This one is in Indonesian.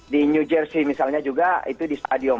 di new jersey misalnya juga itu di stadium